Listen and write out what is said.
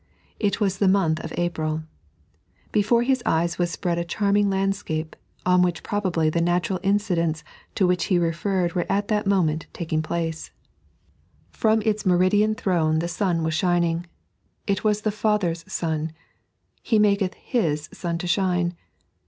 It was the month of April. Before Hia eyes was spread a charming landscape, on which probably the natural incidents to which he referred were at that moment taking place. 3.a.t.zsdt,y Google 94 "Pbbpbct as God." FVom its meridiBn throne the suu was ehining. It was the Father's sun —" He tnaketh Bit sun to shine."